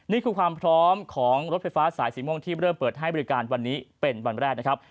นี่คือความพร้อมของรถไฟฟ้าสายสีม่วงที่เริ่มเปิดให้บริการวันนี้เป็นวันแรกนะครับ